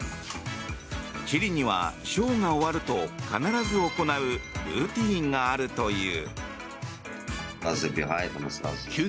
チリにはショーが終わると必ず行うルーティンがあるという。